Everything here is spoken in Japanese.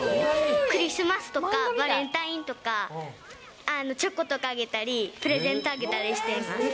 クリスマスとか、バレンタインとか、チョコとかあげたり、プレゼントあげたりしています。